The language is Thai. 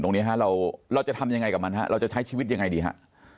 ตรงนี้ฮะเราจะทำยังไงกับมันฮะเราจะใช้ชีวิตยังไงดีฮะ